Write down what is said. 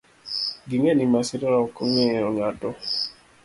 Ging'e ni masira ok ong'eyo ng'ato.